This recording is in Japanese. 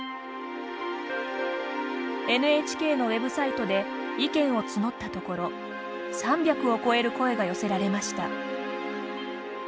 ＮＨＫのウェブサイトで意見を募ったところ３００を超える声が寄せられました。